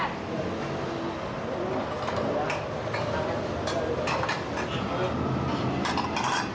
terima kasih pak